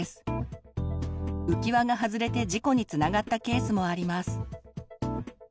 浮き輪が外れて事故につながったケースもあります。